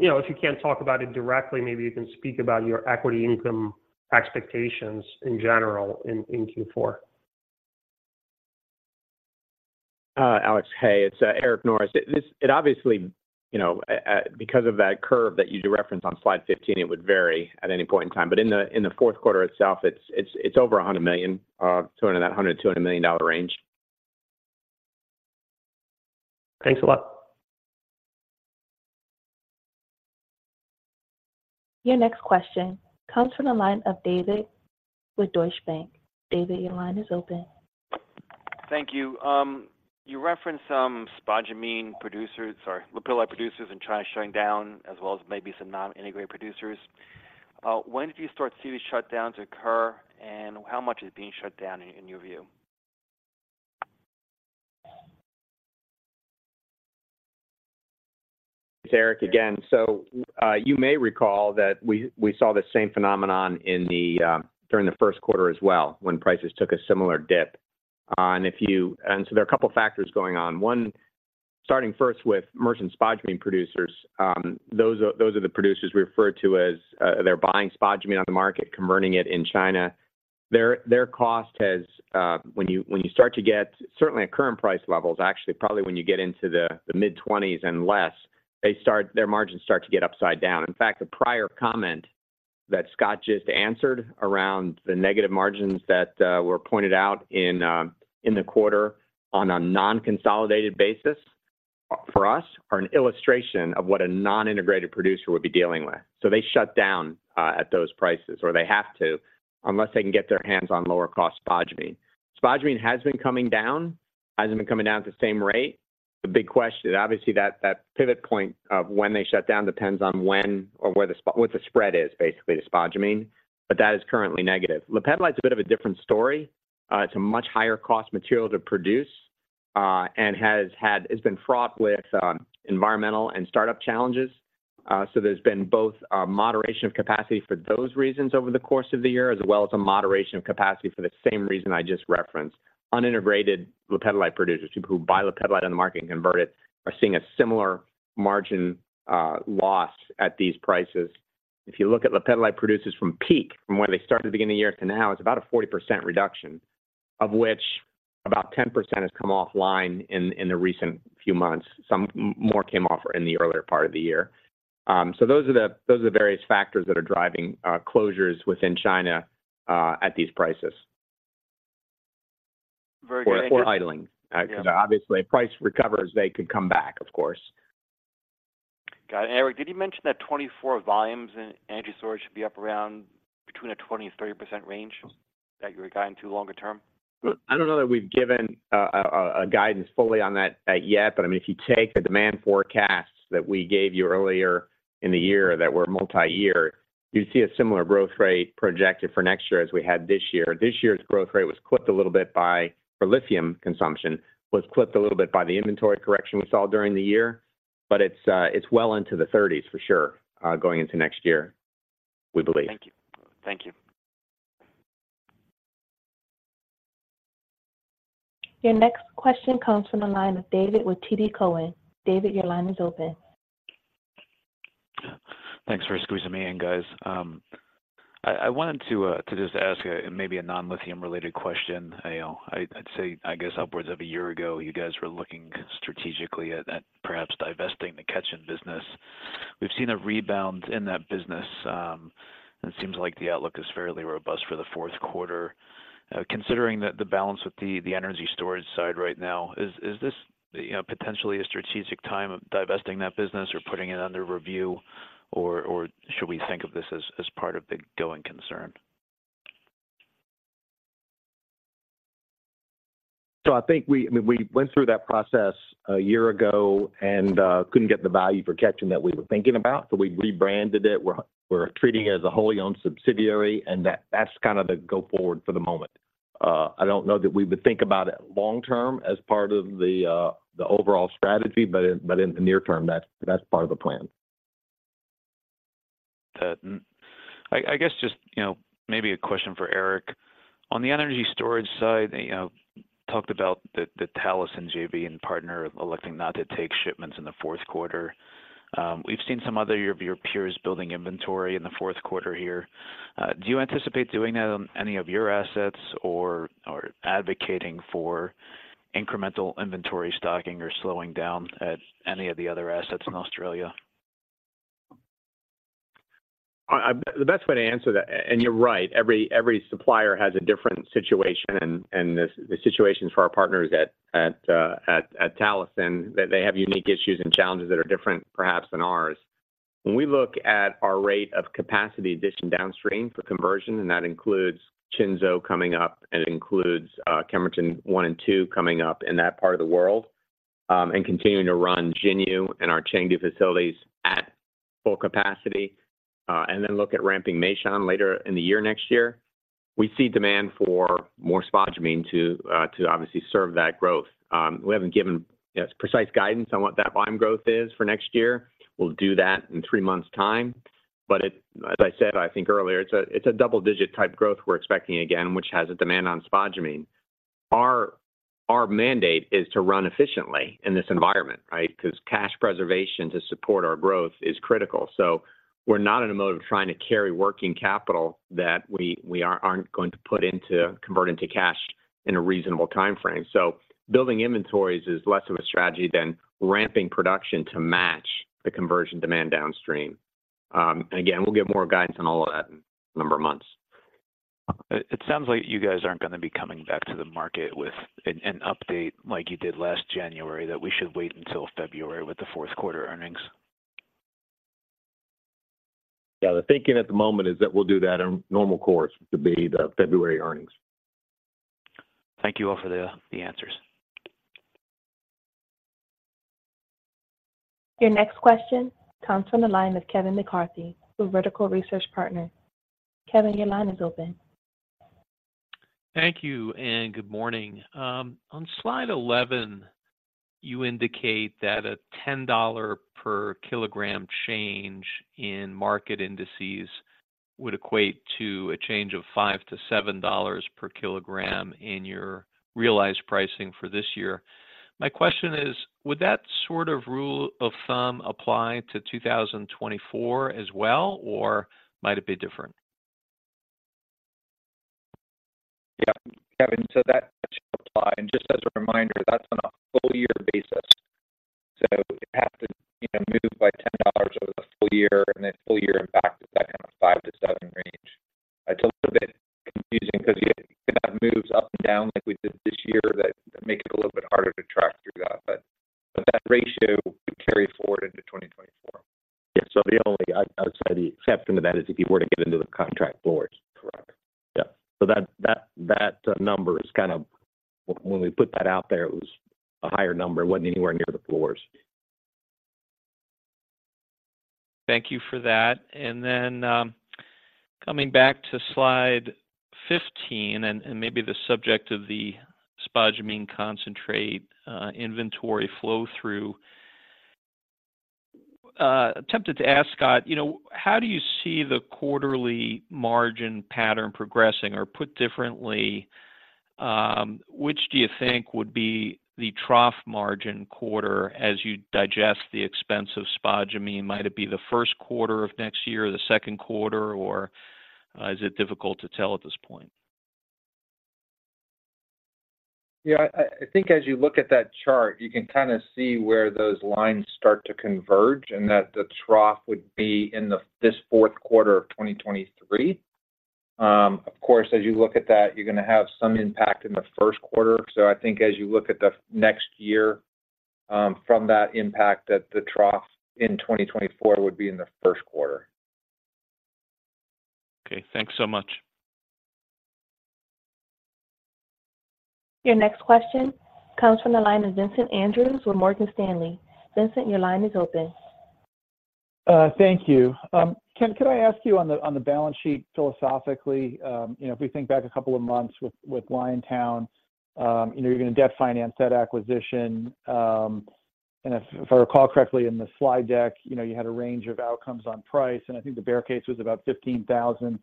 you know, if you can't talk about it directly, maybe you can speak about your equity income expectations in general in Q4. Alex, hey, it's Eric Norris. It obviously, you know, because of that curve that you referenced on slide 15, it would vary at any point in time. But in the fourth quarter itself, it's over $100 million, so in that $100-$200 million range. Thanks a lot. Your next question comes from the line of David with Deutsche Bank. David, your line is open.... Thank you. You referenced some spodumene producers or lepidolite producers in China shutting down, as well as maybe some non-integrated producers. When did you start to see these shutdowns occur, and how much is being shut down in your view? It's Eric again. So, you may recall that we saw the same phenomenon during the first quarter as well, when prices took a similar dip. And so there are a couple factors going on. One, starting first with merchant spodumene producers. Those are the producers we refer to as they're buying spodumene on the market, converting it in China. Their cost has when you start to get. Certainly at current price levels, actually, probably when you get into the mid-20s and less, they start their margins start to get upside down. In fact, the prior comment that Scott just answered around the negative margins that were pointed out in the quarter on a non-consolidated basis for us are an illustration of what a non-integrated producer would be dealing with. So they shut down at those prices, or they have to, unless they can get their hands on lower-cost spodumene. Spodumene has been coming down. Hasn't been coming down at the same rate. The big question, obviously, that pivot point of when they shut down depends on when or where what the spread is, basically, the spodumene, but that is currently negative. Lepidolite is a bit of a different story. It's a much higher cost material to produce, and has had—it's been fraught with environmental and startup challenges. So there's been both a moderation of capacity for those reasons over the course of the year, as well as a moderation of capacity for the same reason I just referenced. Unintegrated lepidolite producers, people who buy lepidolite on the market and convert it, are seeing a similar margin loss at these prices. If you look at lepidolite producers from peak, from where they started at the beginning of the year to now, it's about a 40% reduction, of which about 10% has come offline in the recent few months. Some more came off in the earlier part of the year. So those are the various factors that are driving closures within China at these prices. Very- or idling. Yeah. Because obviously, if price recovers, they could come back, of course. Got it. Eric, did you mention that 2024 volumes and energy storage should be up around between a 20% and 30% range, that you were guiding to longer term? I don't know that we've given guidance fully on that yet, but I mean, if you take the demand forecasts that we gave you earlier in the year that were multi-year, you'd see a similar growth rate projected for next year as we had this year. This year's growth rate was clipped a little bit. For lithium consumption, was clipped a little bit by the inventory correction we saw during the year, but it's well into the thirties for sure, going into next year, we believe. Thank you. Thank you. Your next question comes from the line of David with TD Cowen. David, your line is open. Thanks for squeezing me in, guys. I wanted to just ask a maybe non-lithium-related question. You know, I'd say, I guess upwards of a year ago, you guys were looking strategically at perhaps divesting the Ketjen business. We've seen a rebound in that business, and it seems like the outlook is fairly robust for the fourth quarter. Considering the balance with the energy storage side right now, is this, you know, potentially a strategic time of divesting that business or putting it under review, or should we think of this as part of the going concern? So I think we, I mean, we went through that process a year ago and couldn't get the value for Ketjen that we were thinking about, so we rebranded it. We're treating it as a wholly owned subsidiary, and that's kind of the go forward for the moment. I don't know that we would think about it long term as part of the overall strategy, but in the near term, that's part of the plan. I guess just, you know, maybe a question for Eric. On the energy storage side, you know, talked about the Talison JV and partner electing not to take shipments in the fourth quarter. We've seen some other of your peers building inventory in the fourth quarter here. Do you anticipate doing that on any of your assets or advocating for incremental inventory stocking or slowing down at any of the other assets in Australia? The best way to answer that, and you're right, every supplier has a different situation, and the situation for our partners at Talison, that they have unique issues and challenges that are different perhaps than ours. When we look at our rate of capacity addition downstream for conversion, and that includes Qinzhou coming up, and it includes Kemerton One and Two coming up in that part of the world, and continuing to run Xinyu and our Changji facilities at full capacity, and then look at ramping Meishan later in the year next year, we see demand for more spodumene to obviously serve that growth. We haven't given, you know, precise guidance on what that volume growth is for next year. We'll do that in three months' time. But it, as I said, I think earlier, it's a double-digit type growth we're expecting again, which has a demand on spodumene. Our mandate is to run efficiently in this environment, right? Because cash preservation to support our growth is critical. So we're not in a mode of trying to carry working capital that we aren't going to put into convert into cash in a reasonable timeframe. So building inventories is less of a strategy than ramping production to match the conversion demand downstream. And again, we'll give more guidance on all of that in a number of months. It sounds like you guys aren't going to be coming back to the market with an update like you did last January, that we should wait until February with the fourth quarter earnings? ... Yeah, the thinking at the moment is that we'll do that in normal course, to be the February earnings. Thank you all for the answers. Your next question comes from the line of Kevin McCarthy with Vertical Research Partners. Kevin, your line is open. Thank you, and good morning. On slide 11, you indicate that a $10 per kilogram change in market indices would equate to a $5-$7 per kilogram change in your realized pricing for this year. My question is: would that sort of rule of thumb apply to 2024 as well, or might it be different? Yeah, Kevin, so that should apply. And just as a reminder, that's on a full year basis, so it has to, you know, move by $10 over the full year, and then full year, in fact, is that kind of 5-7 range. It's a little bit confusing, 'cause you- if that moves up and down like we did this year, that makes it a little bit harder to track through that, but, but that ratio would carry forward into 2024. Yeah. So the only, I, I would say the exception to that is if you were to get into the contract floors. Correct. Yeah. So that number is kind of... When we put that out there, it was a higher number. It wasn't anywhere near the floors. Thank you for that. And then, coming back to slide 15, and maybe the subject of the spodumene concentrate, attempted to ask Scott, you know, how do you see the quarterly margin pattern progressing? Or put differently, which do you think would be the trough margin quarter as you digest the expense of spodumene? Might it be the first quarter of next year, or the second quarter, or, is it difficult to tell at this point? Yeah, I think as you look at that chart, you can kind of see where those lines start to converge, and that the trough would be in this fourth quarter of 2023. Of course, as you look at that, you're gonna have some impact in the first quarter. So I think as you look at the next year, from that impact, that the trough in 2024 would be in the first quarter. Okay. Thanks so much. Your next question comes from the line of Vincent Andrews with Morgan Stanley. Vincent, your line is open. Thank you. Kent, could I ask you on the balance sheet philosophically, you know, if we think back a couple of months with Liontown, you know, you're gonna debt finance that acquisition. And if I recall correctly in the slide deck, you know, you had a range of outcomes on price, and I think the bear case was about $15,000.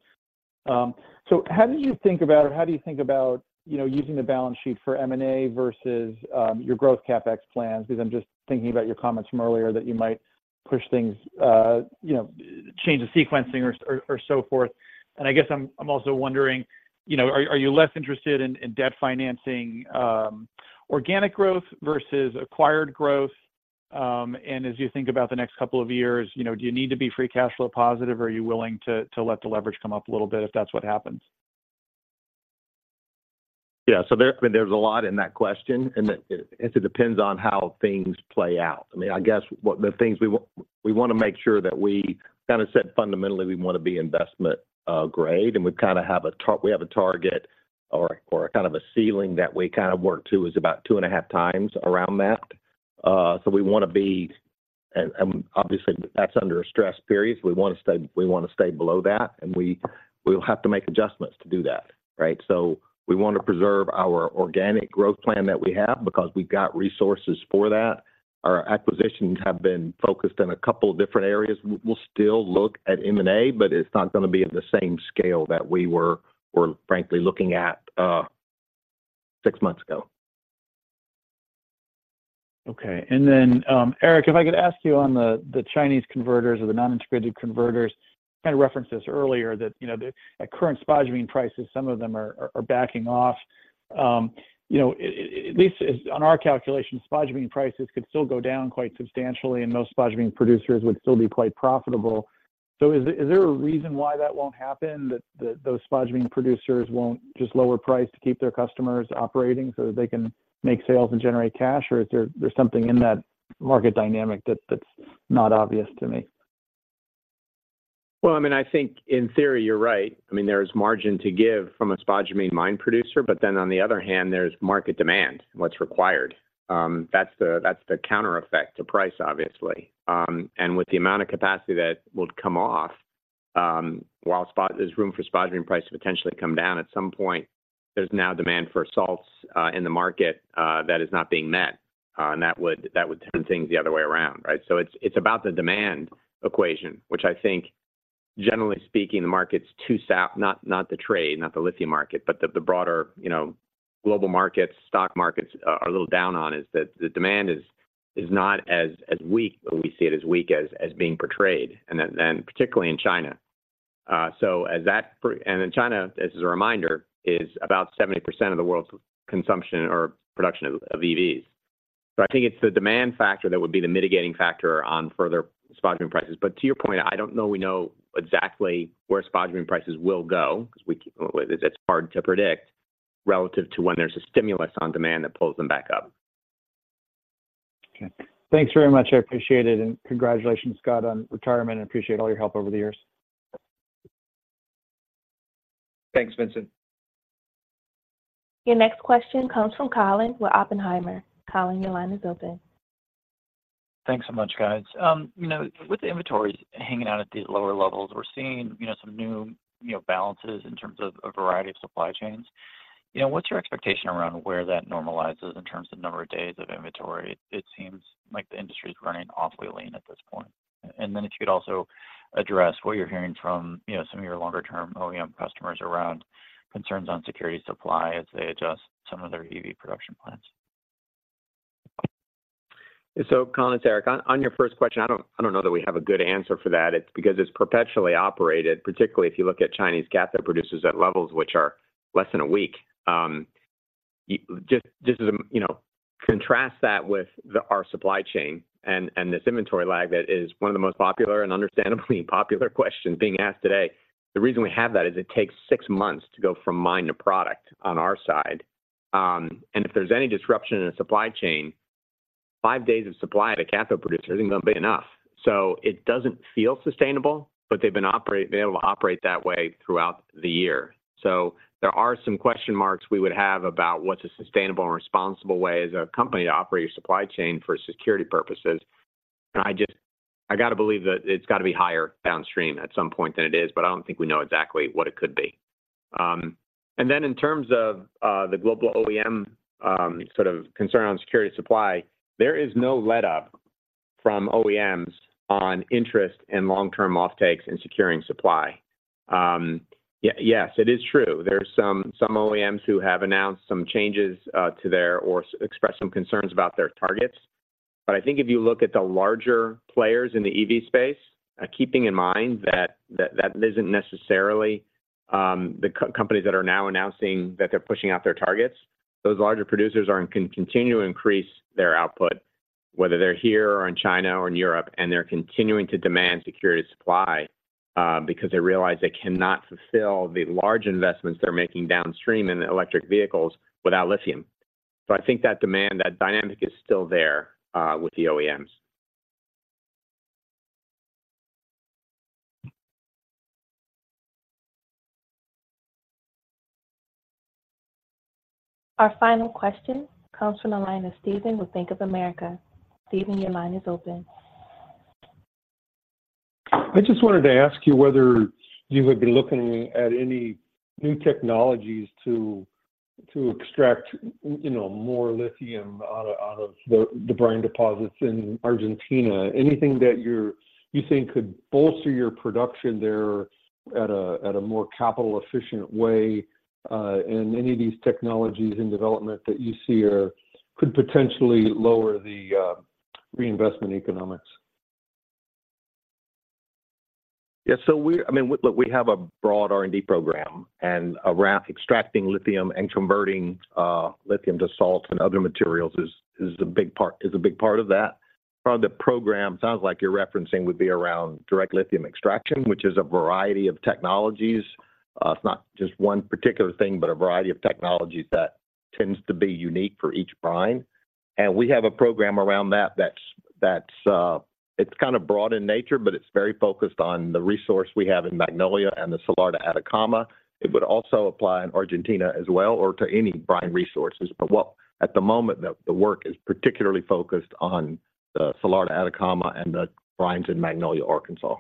So how did you think about, or how do you think about, you know, using the balance sheet for M&A versus your growth CapEx plans? Because I'm just thinking about your comments from earlier, that you might push things, you know, change the sequencing or so forth. And I guess I'm also wondering, you know, are you less interested in debt financing organic growth versus acquired growth? As you think about the next couple of years, you know, do you need to be free cash flow positive, or are you willing to let the leverage come up a little bit if that's what happens? Yeah. So there, I mean, there's a lot in that question, and it depends on how things play out. I mean, I guess what the things we want to make sure that we kind of set fundamentally, we want to be investment-grade, and we kind of have a target or, or kind of a ceiling that we kind of work to, is about 2.5x around that. So we want to be... And, and obviously, that's under a stress period, so we want to stay, we want to stay below that, and we, we'll have to make adjustments to do that, right? So we want to preserve our organic growth plan that we have, because we've got resources for that. Our acquisitions have been focused on a couple different areas. We'll still look at M&A, but it's not going to be at the same scale that we were frankly looking at six months ago. Okay. And then, Eric, if I could ask you on the Chinese converters or the non-integrated converters, kind of referenced this earlier, that you know, at current spodumene prices, some of them are backing off. You know, at least as on our calculations, spodumene prices could still go down quite substantially, and most spodumene producers would still be quite profitable. So is there a reason why that won't happen, that those spodumene producers won't just lower price to keep their customers operating so that they can make sales and generate cash? Or is there something in that market dynamic that's not obvious to me? Well, I mean, I think in theory, you're right. I mean, there's margin to give from a spodumene mine producer, but then on the other hand, there's market demand, what's required. That's the counter effect to price, obviously. And with the amount of capacity that would come off, while there's room for spodumene price to potentially come down, at some point, there's now demand for salts in the market that is not being met, and that would turn things the other way around, right? So it's about the demand equation, which I think, generally speaking, the market's too soft, not the trade, not the lithium market, but the broader, you know, global markets, stock markets are a little down on is that the demand is not as weak, or we see it as weak as being portrayed, and then particularly in China. So as that and in China, as a reminder, is about 70% of the world's consumption or production of EVs. So I think it's the demand factor that would be the mitigating factor on further spodumene prices. But to your point, I don't know we know exactly where spodumene prices will go, because it, it's hard to predict relative to when there's a stimulus on demand that pulls them back up.... Okay. Thanks very much. I appreciate it, and congratulations, Scott, on retirement, and appreciate all your help over the years. Thanks, Vincent. Your next question comes from Colin with Oppenheimer. Colin, your line is open. Thanks so much, guys. You know, with the inventories hanging out at these lower levels, we're seeing, you know, some new, you know, balances in terms of a variety of supply chains. You know, what's your expectation around where that normalizes in terms of number of days of inventory? It seems like the industry's running awfully lean at this point. And then if you'd also address what you're hearing from, you know, some of your longer term OEM customers around concerns on security supply as they adjust some of their EV production plans. So Colin, it's Eric. On your first question, I don't know that we have a good answer for that. It's because it's perpetually operated, particularly if you look at Chinese cathode producers at levels which are less than a week. Just as a, you know, contrast that with our supply chain and this inventory lag that is one of the most popular and understandably popular questions being asked today. The reason we have that is it takes six months to go from mine to product on our side. And if there's any disruption in the supply chain, five days of supply at a cathode producer isn't gonna be enough. So it doesn't feel sustainable, but they're able to operate that way throughout the year. So there are some question marks we would have about what's a sustainable and responsible way as a company to operate your supply chain for security purposes. And I just, I gotta believe that it's gotta be higher downstream at some point than it is, but I don't think we know exactly what it could be. And then in terms of the global OEM sort of concern on security supply, there is no letup from OEMs on interest in long-term offtakes and securing supply. Yes, it is true, there are some OEMs who have announced some changes to their or expressed some concerns about their targets. But I think if you look at the larger players in the EV space, keeping in mind that isn't necessarily the companies that are now announcing that they're pushing out their targets, those larger producers are and can continue to increase their output, whether they're here or in China or in Europe, and they're continuing to demand secured supply, because they realize they cannot fulfill the large investments they're making downstream in electric vehicles without lithium. So I think that demand, that dynamic is still there with the OEMs. Our final question comes from the line of Stephen with Bank of America. Stephen, your line is open. I just wanted to ask you whether you would be looking at any new technologies to extract, you know, more lithium out of the brine deposits in Argentina. Anything that you think could bolster your production there at a more capital-efficient way, and any of these technologies in development that you see could potentially lower the reinvestment economics? Yeah, so I mean, look, we have a broad R&D program, and around extracting lithium and converting lithium to salts and other materials is a big part, is a big part of that. Part of the program, sounds like you're referencing would be around direct lithium extraction, which is a variety of technologies. It's not just one particular thing, but a variety of technologies that tends to be unique for each brine. And we have a program around that, that's, it's kind of broad in nature, but it's very focused on the resource we have in Magnolia and the Salar de Atacama. It would also apply in Argentina as well, or to any brine resources. But, well, at the moment, the work is particularly focused on the Salar de Atacama and the brines in Magnolia, Arkansas.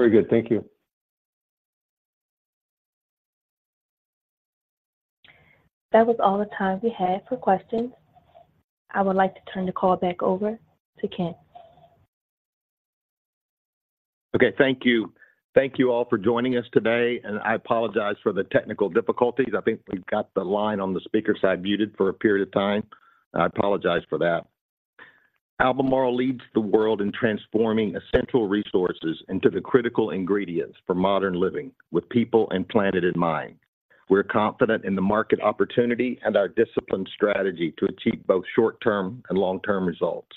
Very good. Thank you. That was all the time we had for questions. I would like to turn the call back over to Kent. Okay, thank you. Thank you all for joining us today, and I apologize for the technical difficulties. I think we've got the line on the speaker side muted for a period of time, and I apologize for that. Albemarle leads the world in transforming essential resources into the critical ingredients for modern living, with people and planet in mind. We're confident in the market opportunity and our disciplined strategy to achieve both short-term and long-term results.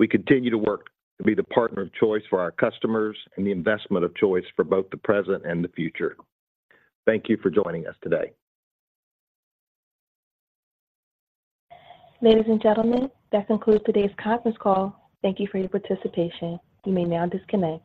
We continue to work to be the partner of choice for our customers and the investment of choice for both the present and the future. Thank you for joining us today. Ladies and gentlemen, that concludes today's conference call. Thank you for your participation. You may now disconnect.